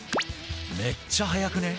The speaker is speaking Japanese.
めっちゃ速くね？